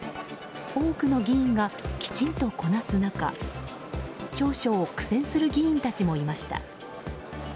多くの議員がきちんとこなす中少々苦戦する議員たちもいました。